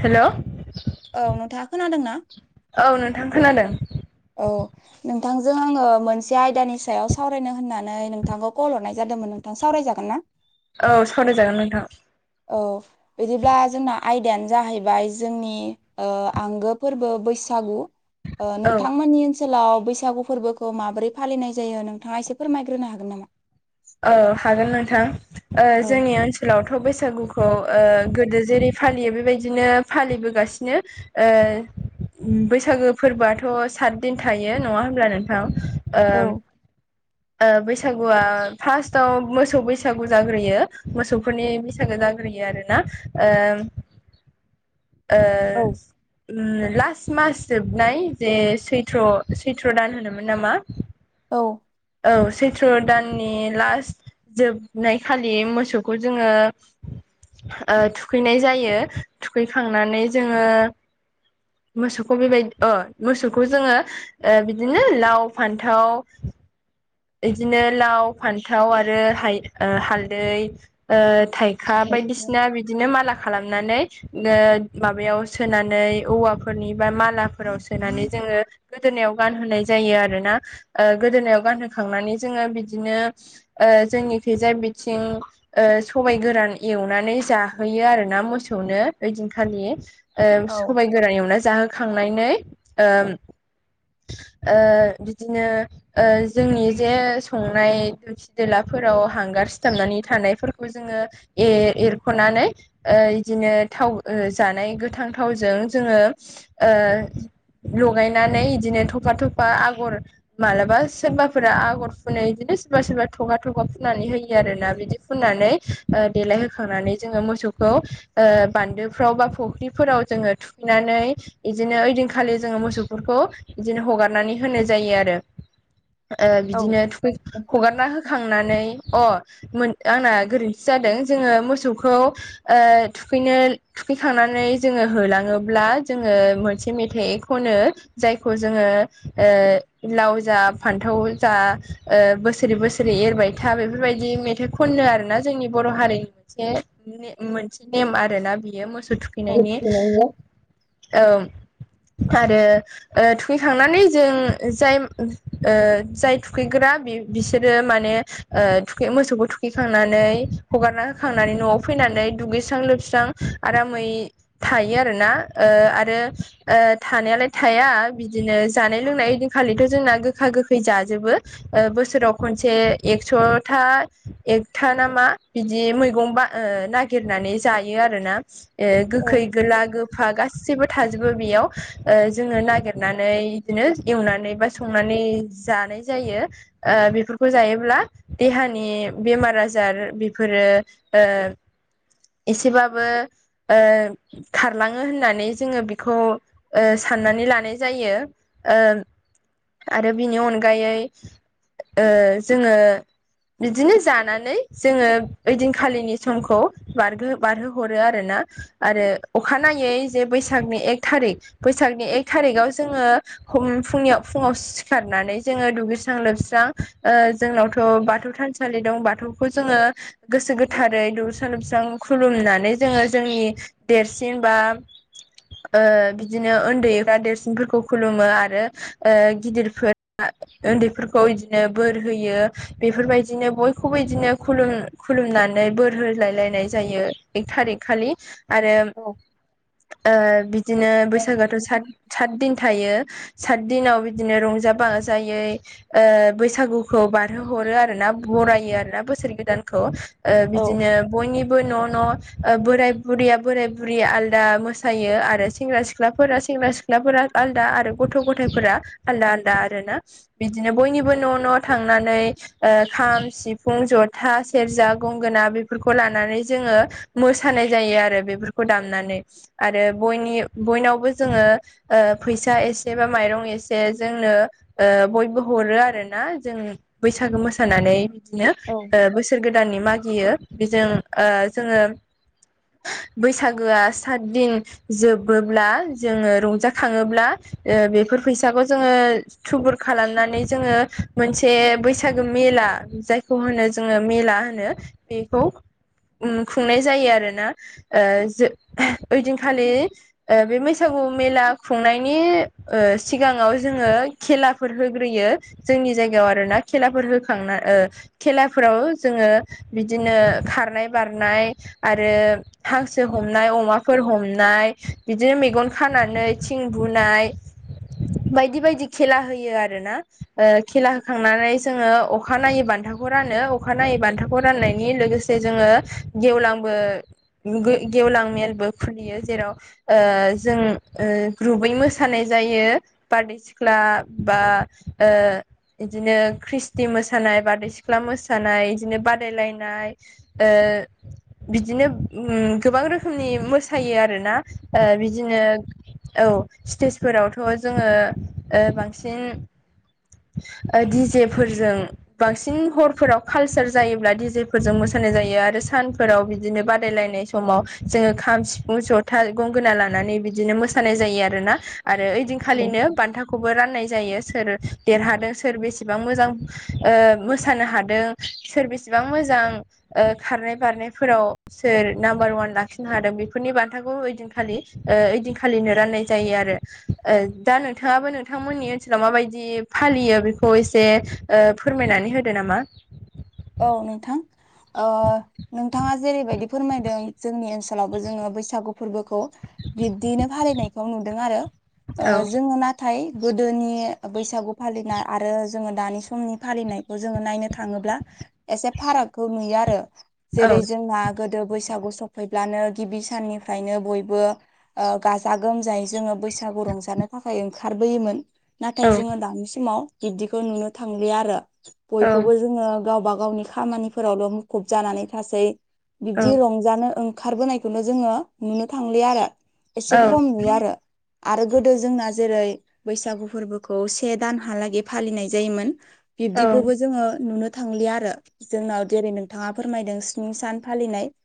हेल' औ नोंथाङा खोनादोंना? औ नोंथां खोनादों। औ नोंथांजों आङो मोनसे आयदानि सायाव सावरायनो होननानै नोंथांखौ कल हरनाय जादोंमोन नोंथां सावरायजागोन ना? औ सावराय जागोन नोंथां औ बिदिब्ला जोंना आयदायानो जाहैबाय जोंनि ओ आंगो फोरबो बैसागु ओ औ नोंथांमोननि ओनसोलाव बैसागु फोरबोखौ माबोरै फालिनाय जायो नोंथाङा एसे फोरमायग्रोनो हागोन नामा औ हागोन नोंथां औ जोंनि ओनसोलावथ' बैसागुखौ औ ओ गोदो जेरै फालियो बेबायदिनो फालिबोगासिनो बैसागो फोरबोआथ' सात दिन थायो नंङा होमब्ला नोंथां औ ओ-ओ बैसागुआ फार्स्टआव मोसौ बैसागु जाग्रोयो मोसौफोरनि बैसागो जाग्रोयो आरोना ओ लास्ट मास जोबनाय जे सैथ्र सैथ्र' दान होनोमोन नामा औ औ सैथ्र' दाननि लास्ट जोबनाय खालि मोसौखौ जोंङो थुखैनाय जायो थुखैखांनानै जोंङो मोसौखौ बेबायदि मोसौखौ जोंङो बिदिनो लाव फान्थाव इदिनो लाव, फान्थाव आरो हाय ओ हालदै ओ थाइ खा औ बायदिसिना बिदिनो माला खालामनानै माबायाव सोनानै औवाफोरनि बा मालाफोराव सोनानै जोङो गोदोनायाव गानहोनाय जायो आरो ना गोदोनायाव गानहोखांनानै जोंङो बिदिनो ओ जोंनि खैजा बिथिं सबायाइ गोरान एवनानै जाहोयो आरो ना मोसौनो ओइदिनखालि सबाइ गोरान एवना जाहोखांनानै ओ बिदिनो ओ जोंनि जे संनाय दोलसि दोलाफोराव हांगार सिथाबनानै थानायफोरखौ जोंङो ए एरख'नानै बिदिनो थाव जानाय गोथां थावजों जोंङो लगायनानै बिदिनो थफा थफा आगर मालाबा सोरबा फोरा आगर फुनै बिदिनो सोरबा सोरबा थगा थगा फुननानै होयो आरोना बिदि फुननानै देलायहोखांनानै जोंङो मोसौखौ बान्दोफ्राव बा फुख्रिफोराव जोंङो थु खैनानै बिदिनो ओइदिनखालि जोङो मोसौफोरखौ बिदिनो हगारनानै होनाय जायो आरो औ बिदिनो थुखै हगारना हो बोखांनानै अ मोन आंना गोरोन्थि जादों जोङो मोसौखौ ओ थुखैनो फैखांनानै जोङो होलाङोब्ला जोङो मोनसे मेथाइ खनो जायखौ जोङो ओ लाव जाब फान्थाव जा बोसोरै बोसोरै एरबाय था बेफोरबायदि मेथाइ खनो आरोना जोंनि बर' हारिनि मोनसे मोनसे नेम आरोना बियो मोसौ थुख खैनायनि औ आरो थुखैखांनानै जों जाय जाय थुखैग्रा बिसोरो माने थुखै मोसौखौ थुखैखांनानै हगारना होखांनानै न'आव फैनानै दुगैस्रां लोबस्रां आरामै थायो आरो ना आरो थानायालाय थाया बिदिनो जानाय लोंनाय ओइ खालिथ' जोंना गोखा गोखै जाजोबो बोसोराव खनसे एक्स'था एकथा ना मा बिदि मैगं ब नागिरनानै जायो आरोना ओ गोखै गोला गोफा गा सैबो थाजोबो बेयाव जोङो नागिरनानै बिदिनो एवनानै बा सं नानै जानाय जायो बेफोरखौ जायोब्ला देहानि बेमार आजार बेफोरो ओ एसेबाबो ओ खारलाङो होननानै जोङो बेखौ साननानै लानाय जायो आरो बिनि अनगायै ओ जोंङो बिदिनो जानानै जोङो ओइदिनखालिनि समखौ बारगो बारहो हरो आरोना आरो अखानायै जे बैसागनि एक थारिख बैसागनि एक थारिखाव जोङो हम फुंनियाव फुङाव सिखारनानै जोङो दुगैस्रां लोबस्रां जोंनावथ' बाथौ थानसालि दं बाथौखौ जोङो गोसो गोथारै दुगैस्रां लोबस्रां खुलुमनानै जोङो जोंनि देरसिन बा ओ बिदिनो उन्दैफ्रा देरसिनफोरखौ खुलुमो आरो ओ गिदिर फोरा उन्दैफोरखौ इदिनो बोर होयो बेफोरबायदिनो बयखौबो बिदिनो खुलुम खुलुमनानै बोर होलायलायनाय जायो एक थारिक खालि आरो ओ बिदिनो बैसागोआथ' सात सात दिन थायो सात दिनाव बिदिनो रंजा बाजायै बैसागुखौ बारहो हरो आरो ना बरायो आरो ना बोसोर गोदानखौ ओ बिदिनो बयनिबो न' न' बोराय बुरिया बोराय बुरि आलदा मोसायो आरो सेंग्रा सिख सिख्लाफोरा सेंग्रा सिख्लाफोरा आलदा आरो गथ' गथायफोरा आलदा आलादा आरोना बिदिनो बयनिबो न' न' थांनानै ओ खाम सिफुं जथा सेरजा गंगोना बेफोरखौ लानानै जोङो मोसानाय जायो आरो बेफोरखौ दामनानै आरो बनि बयनावबो जोङो फैसा एसे बा माइरं एसे जोंनो ओ बयबो हरो आरोना जों बैसागो मोसानानै बिदिनो औ बोसोर गोदाननि मागियो बेजों जोङो बैसागोआ सातदिन जोबोब्ला जोङो रंजाखाङोब्ला ओ बेफोर फैसाखौ जोङो थुबुर खालामनानै जोङो मोनसे बैसागो मेला जायखौ होनो जोङो मेला होनो बेखौ खुंनाय जायो आरोना ओ जो ओइदिनखालि ओ बे बैसागु मेला खुंनायनि ओसिगाङाव जोङो खेलाफोर होग्रोयो जोंनि जायगायाव आरोना खेलाफोर होखांना ओ खेलाफोराव जोङो बिदिनो खारनाय बारनाय आरो हांसो हमनाय अमाफोर हमनाय बिदिनो मेगन खानानै थिं बुनाय बायदि बायदि खेला होयो आरोना ओ खेला होखांनानै जोङो अखा नायै बान्थाखौ रानो अखा नायै बान्थाखौ राननायनि लोगोसे जोङो गेवलांबो गो गेवलां मेलबो खुलियो जेराव ओ जों ओ ग्रुपै मोसानाय जायो बारदै सिख्ला बा ओ बिदिनो ख्रिस्टि मोसानाय बारदै सिख्ला मोसानाय बिदिनो बादायलायनाय ओ बिदिनो गोबां रोखोमनि मोसायो आरोना बि दिनो औ स्टेजफोरावथ' जोङो ओ बांसिन ओ दिजे फोरजों बांसिन हरफोराव कालसार जायोब्ला दिजेफोरजों मोसानाय जायो आरो सानफोराव बिदिनो बादायलायनाय समाव जोङो खाम सिफुं जथा गंगोना लानानै बिदिनो मोसानाय जायो आरोना आरो औ खालिनो बान्थाखौबो राननाय जायो सोर देरहादों सोर बेसेबां मोजां ओ मोसानो हादों सोर बेसेबां मोजां ओ खारनाय बारनायफोराव सोर नाम्बार अवान लाखिनो हादों बेफोरनि बान्थाखौ ओइदिनखालि ओ ओइदिनखालिनो राननाय जायो आरो। ओ दा नोंथाङाबो नोंथांमोननि ओनसोलाव माबायदि फालियो बेखौ एसे ओ फोरमायनानै होदो नामा? औ नोंथां। ओ नोंथाङा जेरैबायदि फोरमायदों जोंनि ओनसोलावबो जोङो बैसागु फोरबोखौ बिब्दियैनो फालिनायखौ नुदों आरो ओ औ जोङो ना थाय गोदोनि बैसागु फालिनाय आरो जोङो दानि समनि फालिनाय जोङो नायनो थाङोब्ला एसे फारागखौ नुयो आरो औ जेरै जोंहा गोदो बैसागु सफैब्लानो गिबि साननिफ्रायनो बयबो ओ गाजा गोमजायै जोङो बैसागु रंजानो थाखाय ओंखारबोयोमोन। औ नाथाय जोङो दानि समाव बिब्दिखौ नुनो थांलिया आरो औ बयखौबो जोङो गावबा गावनि खामानिफोरावल' मुखुब जानानै थासै औ बिबदि रंजानो ओं खारबोनायखौनो जोङो नुनो थांलिया आरो एसे औ खम नुयो आरो। आरो गोदो जोंना जेरै बैसागु फोरबोखौ से दानहालागै फालिनाय जायोमोन। औ बिब्दिखौबो जोङो नुनो थांलिया आरो। जोंनाव जेरै नोंथाङा फोरमायदों स्नि सान फालिनाय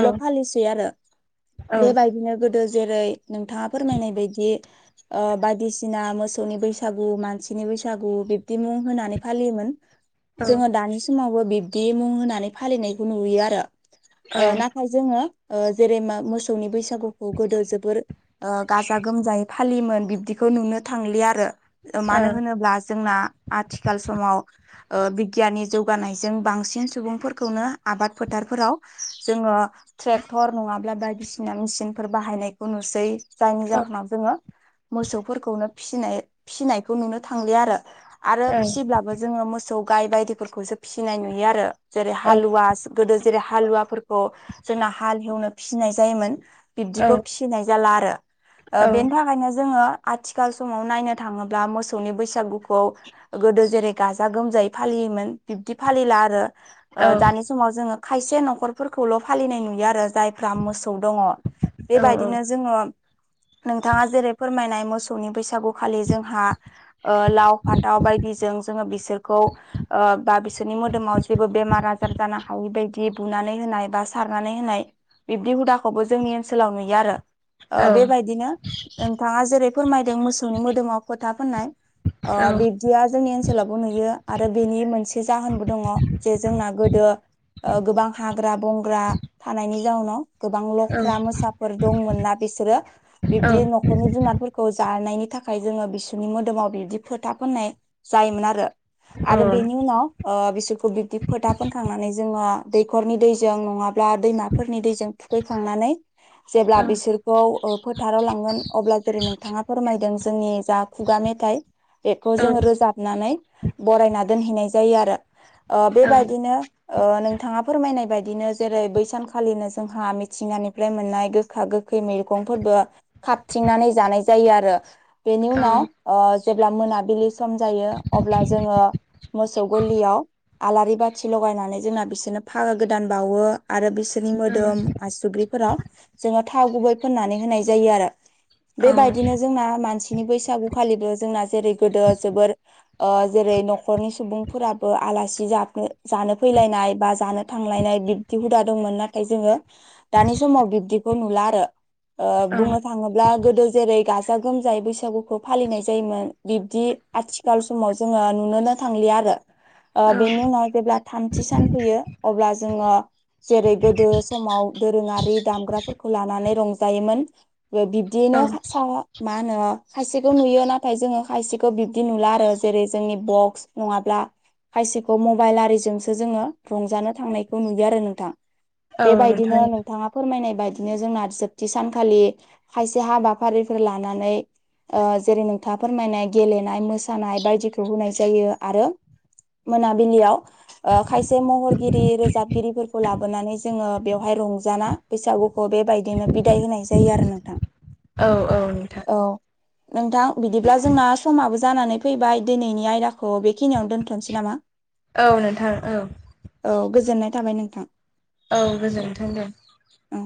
औ फालिसै आरो। औ औ बेबायदिनो गोदो जेरै नोंथाङा फोरमायनाय बायदि ओ बादिसिना मोसौनि बैसागु मानसिनि बैसागु बिब्दि मुं होनानै फालियोमोन। औ जोङो औ दानि समावबो बिब्दि मुं होनानै फालिनायखौ नुयो आरो ओ नाथाय जोङो ओ जेरै मा मोसौनि बैसागुखौ गोदो जोबोर ओ गाजा गोमजायै फालियोमोन बिब्दिखौ नुनो थांलिया आरो मानो होनोब्ला जोंना आथिखाल समाव ओ बिगियाननि जौगानायजों बांसिन सुबुंफोरखौनो आबाद फोथारफोराव जोङो ट्रेक्टर नङाब्ला बायदिसिना मेसिनफोर बाहायनायखौ नुसै। जायनि जाहोनाव जोङो मोसौफोरखौनो फिसिनाय फिसिनायखौ नुनो थांलिया आरो। आरो फिसिब्लाबो जोङो मोसौ गाय बायदिफोरखौसो फिसिनाय नुयो आरो जेरै हालुवा गोदो जेरै हालुवाफोरखौ जोंना हाल एवनो फिसिनाय जायोमोन। बिब्दिखौ फिसिनाय जाला आरो। औ बेनि थाखायनो जोङो आथिखाल समाव नायनो थाङोब्ला मोसौनि बैसागुखौ गोदो जेरै गाजा गोमजायै फालियोमोन बिब्दि फालिला आरो औ दानि समाव जोङो खायसे न'खरफोरखौल' फालिनाय नुयो आरो जाय फ्रा मोसौ दङ बेबायदिनो जोङो नोंथाङा जेरै फोरमायनाय मोसौनि बैसागुखालि जोंहा ओ लाव फान्थाव बायदिजों जोङो बिसोरखौ ओ बा बिसोरनि मोदोमाव जेबो बेमार आजार जानो हायि बायदि बुनानै होनाय बा सारनानै होनाय बिब्दि हुदाखौबो जोंनि ओनसोलाव नुयो आरो। ओ औ बेबायदिनो नोंथाङा जेरै फोरमायदों मोसौनि मोदोमाव फोथा फोननाय ओ बिब्दिया जोंनि ओनसोलावबो नुयो आरो बिनि मोनसे मोनसे जाहोनबो दङ जे जोंना गोदो ओ गोबां हाग्रा बंग्रा थानायनि जाउनाव गोबां लख्रा मोसाफोर दंमोन ना बिसोरो बिबदि न न'खरनि जुनारफोरखौ जानायनि थाखाय जोङो बिसोरनि मोदोमाव बिदि फोथा फोननाय जायोमोन आरो। आरो बेनि उनाव ओ बिसोरखौ बिब्दि फोथा फोनखांनानै जोङो दैखरनि दैजों नङाब्ला दैमाफोरनि दैजों थुखैखांनानै जेब्ला बिसोर खौ ओ फोथाराव लांगोन अब्ला जेरै नोंथाङा फोरमायदों जोंनि जा खुगा मेथाइ बेखौ जोङो रोजाबनानै बरायना दोनहैनाय जायो आरो। ओ बेबायदिनो नोंथाङा फोरमायनाय बायदिनो जेरै बै सानखालिनो जोंहा मिथिंगानिफ्राय मोननाय गो गोखा गोखै मैगंफोरबो खाबथिंनानै जानाय जायो आरो बेनि उनाव जेब्ला मोनाबिलि सम जायो अब्ला जोङो मोसौ गलियाव आलारि बाथि लगायनानै जोंना बिसोरनो फागा गोदान बावो आरो बिसोरनि मोदोम आसुग्रिफोराव जोङो थाव गुबै फोननानै होनाय जायो आरो बेबायदिनो जोंना मानसिनि बैसागुखालिबो जोंना जेरै गोदो जोबोर ओ जेरै नख न'खरनि सुबुंफोराबो आलासि जानो फैलायनाय बा जानो थांलायनाय बिदि हुदा दंमोन नाथाय जोङो दानि समाव बिब्दिखौ नुला आरो बुंनो थाङोब्ला गोदो जेरै गाजा गोमजायै बैसागुखौ फालिनाय जायोमोन बिबदि आथिखाल समाव जोङो नुनोनो थांलिया आरो बेनि उनाव जेब्ला थामथि सान फैयो अब्ला जोङो जेरै गोदो समाव दोरोङारि दामग्राफोरखौ लानानै रंजायोमोन बिब बिदिनो सा मा होनो खायसेखौ नुयो नाथाय जोङो खायसेखौ बिब्दि नुला आरो जेरै जोंनि बक्स नङाब्ला खायसेखौ मबाइल आरिजोंसो जोङो रंजानो थांनायखौ नुयो आरो नोंथां बेबायदिनो नोंथां नोंथाङा फोरमायनाय बायदिनो जोंना जोबथि सानखालि खायसे हाबाफारिफोर लानानै जेरै नोंथाङा फोरमायनाय गेलेनाय मोसानाय बायदिखौ होनाय जायो आरो मोनाबिलियाव खायसे महरगिरि रोजाबगिरिफोरखौ लाबोनानै जोङो बेवहाय रंजाना बैसागुखौ बेबायदिनो बिदाय होनाय जायो आरो नोंथां औ औ नोंथां औ नोंथां बिदिब्ला जोंना समाबो जानानै फैबाय दिनैनि आयदा खौ बेखिनियाव दोनथ'नोसै नामा औ नोंथां औ औ गोजोननाय थाबाय नोंथां औ गोजोन्थों दे औ